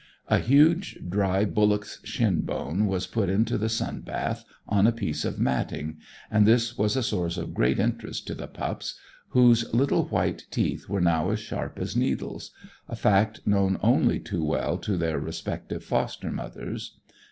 A huge dry bullock's shin bone was put into the sun bath, on a piece of matting, and this was a source of great interest to the pups, whose little white teeth were now as sharp as needles; a fact known only too well to their respective foster mothers.